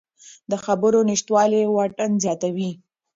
د خبرو نشتوالی واټن زیاتوي